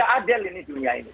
adil ini dunia ini